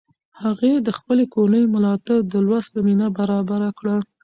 هغې د خپلې کورنۍ ملاتړ د لوست زمینه برابره کړه.